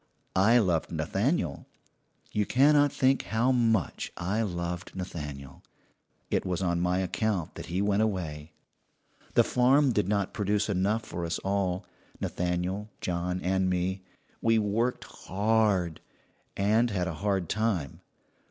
I loved Nathaniel you cannot think how much I loved Nathaniel. It was on my account that he went away. "The farm did not produce enough for us all Nathaniel, John, and me. We worked hard, and had a hard time.